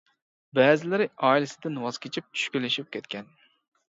بەزىلىرى ئائىلىسىدىن ۋاز كېچىپ چۈشكۈنلىشىپ كەتكەن.